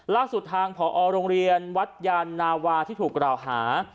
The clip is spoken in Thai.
ล่าสุดทางผอโรงเรียนวัดยานนาวาที่ถูกกล่าวหา